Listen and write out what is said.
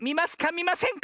みませんか？